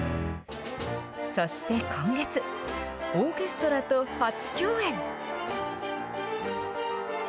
そして今月、オーケストラと初共演。